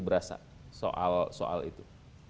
berasa soal itu